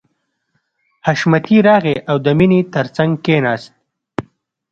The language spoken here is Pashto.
حشمتي راغی او د مینې تر څنګ کښېناست